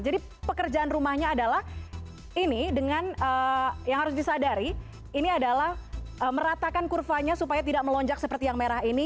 jadi pekerjaan rumahnya adalah ini dengan yang harus disadari ini adalah meratakan kurvanya supaya tidak melonjak seperti yang merah ini